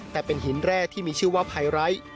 แต่เป็นหินแร่ที่มีชื่อว่าไพไร้